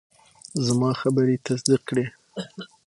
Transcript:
زما خبرې یې تصدیق کړې.